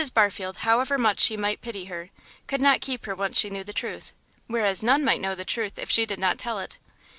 Barfield, however much she might pity her, could not keep her once she knew the truth, whereas none might know the truth if she did not tell it.